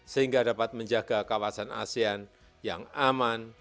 sehingga dapat menjaga kawasan asean yang aman